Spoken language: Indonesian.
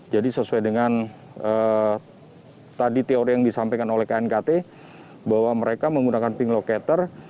jadi sesuai dengan tadi teori yang disampaikan oleh knkt bahwa mereka menggunakan ping locator